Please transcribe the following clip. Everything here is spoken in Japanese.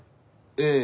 ええ。